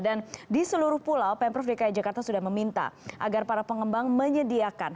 dan di seluruh pulau pemprov dki jakarta sudah meminta agar para pengembang menyediakan